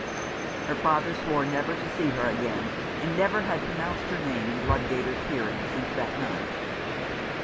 Her father swore never to see her again, and never had pronounced her name in Ludgater's hearing since that night.